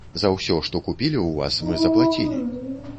За ўсё, што купілі ў вас, мы заплацілі.